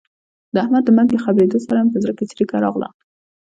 د احمد د مرګ له خبرېدو سره مې په زړه کې څړیکه راغله.